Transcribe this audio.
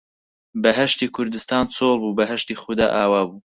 بەهەشتی کوردستان چۆڵ بوو، بەهەشتی خودا ئاوا بوو